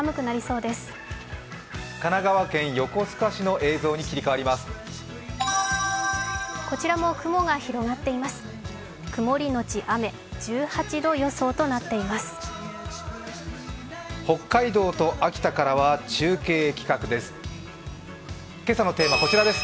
曇りのち雨、１８度予想となっています。